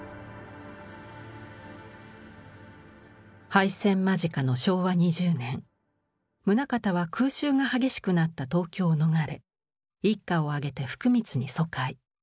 敗戦間近の昭和２０年棟方は空襲が激しくなった東京を逃れ一家をあげて福光に疎開。